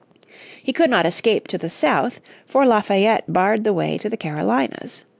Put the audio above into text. He could not escape to the south, for Lafayette barred the way to the Carolinas.